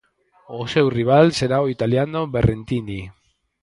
O seu rival será o italiano Berrentini.